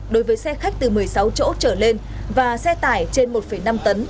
đối với xe khách từ một mươi sáu chỗ trở lên và xe tải trên một năm tấn